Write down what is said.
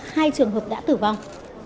hai trường hợp đã tử vong